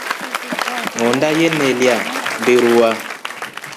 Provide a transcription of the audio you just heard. Ngoonda yenlya mbirurwa.